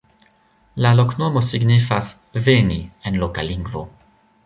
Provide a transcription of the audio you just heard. La loknomo signifas "veni" en loka lingvo.